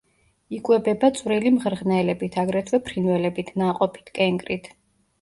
იკვებება წვრილი მღრღნელებით, აგრეთვე ფრინველებით, ნაყოფით, კენკრით.